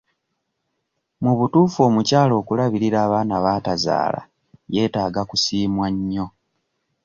Mu butuufu omukyala akulabiririra abaana baatazaala yeetaaga kusiimwa nnyo.